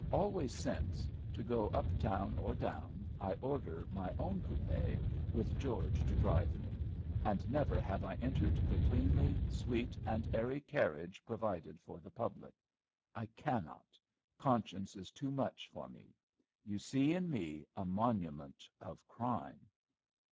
Always since, to go up town or down, I order my own coupé, with George to drive me; and never have I entered the cleanly, sweet, and airy carriage provided for the public. I cannot; conscience is too much for me. You see in me a monument of crime.